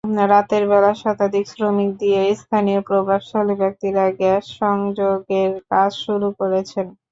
রাতের বেলা শতাধিক শ্রমিক দিয়ে স্থানীয় প্রভাবশালী ব্যক্তিরা গ্যাস-সংযোগের কাজ শুরু করেছেন।